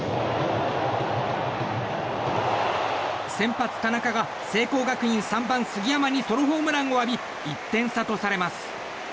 先発、田中が聖光学院３番、杉山にソロホームランを浴び１点差とされます。